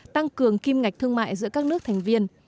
tăng cường kim ngạch thương mại giữa các nước thành viên